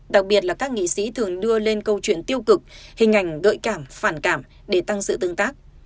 đặc biệt là các nghị sĩ thường đưa lên câu chuyện tiêu cực hình ảnh gợi cảm phản cảm để tăng sự tương tác